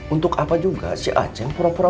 untuk apa juga si aceh pura pura